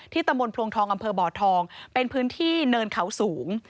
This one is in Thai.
ตำบลพลวงทองอำเภอบ่อทองเป็นพื้นที่เนินเขาสูง